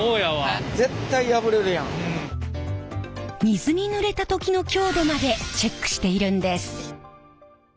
水にぬれた時の強度までチェックしているんです。